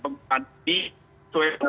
sesuai dengan keberhasilan